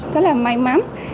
rất là may mắn